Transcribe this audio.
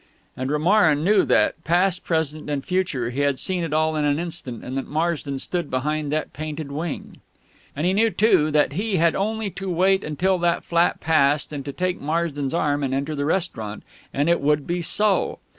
And Romarin knew that, past, present, and future, he had seen it all in an instant, and that Marsden stood behind that painted wing. And he knew, too, that he had only to wait until that flat passed and to take Marsden's arm and enter the restaurant, and it would be so.